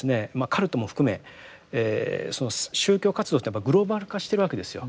カルトも含めその宗教活動というのはグローバル化してるわけですよ。